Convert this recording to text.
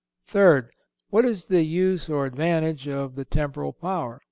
Third—What is the use or advantage of the temporal power?